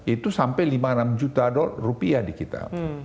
itu sampai lima enam juta dolar rupiah di kita